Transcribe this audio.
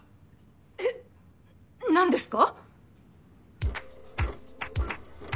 えっなんですか？